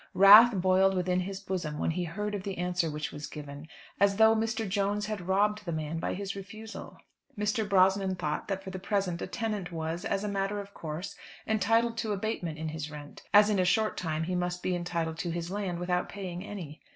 Wrath boiled within his bosom when he heard of the answer which was given, as though Mr. Jones had robbed the man by his refusal. Mr. Brosnan thought that for the present a tenant was, as a matter of course, entitled to abatement in his rent, as in a short time he must be entitled to his land without paying any.